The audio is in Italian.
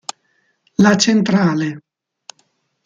La centrale